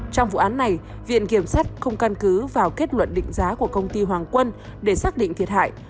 trong vụ án này viện kiểm sát không căn cứ vào kết luận định giá của công ty hoàng quân để xác định thiệt hại